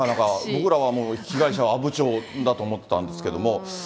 僕らはもう被害者は阿武町だと思ってたんですけど。